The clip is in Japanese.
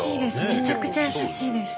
めちゃくちゃ優しいです。